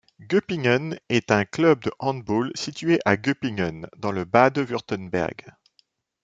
Göppingen est un club de handball situé à Göppingen dans le Bade-Wurtemberg.